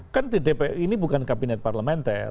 kan dpr ini bukan kabinet parlementer